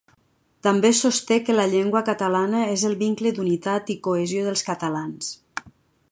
També sosté que la llengua catalana és el vincle d'unitat i cohesió dels catalans.